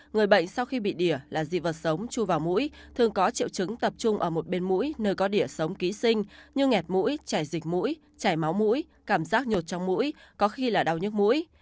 người bệnh sau khi bị đỉa là dị vật sống chui vào mũi thường có triệu chứng tập trung ở một bên mũi nơi có đĩa sống ký sinh như ngẹt mũi chảy dịch mũi chảy máu mũi cảm giác nhột trong mũi có khi là đau nhức mũi